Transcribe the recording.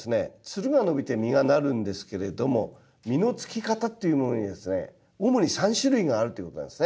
つるが伸びて実がなるんですけれども実のつき方っていうものにはですね主に３種類があるということなんですね。